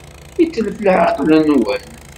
Yetlef leɛqel-nwen.